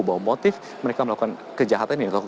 bahwa motif mereka melakukan kejahatan ini